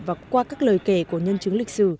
và qua các lời kể của nhân chứng lịch sử